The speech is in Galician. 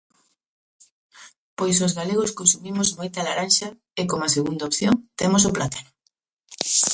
Pois os galegos consumimos moita laranxa e, como segunda opción, temos o plátano.